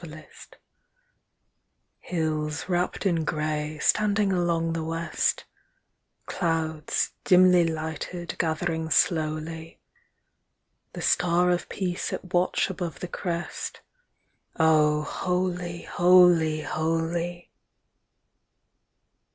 Sundown Hills, wrapped in gray, standing along the west; Clouds, dimly lighted, gathering slowly; The star of peace at watch above the crest Oh, holy, holy, holy!